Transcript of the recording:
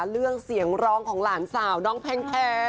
เรื่องเสียงร้องของหลานสาวน้องแพง